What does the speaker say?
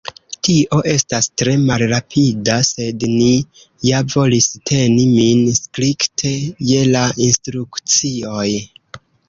Tio estas tre malrapida, sed mi ja volis teni min strikte je la instrukcioj.